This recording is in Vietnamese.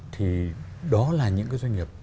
thì đó là những cái doanh nghiệp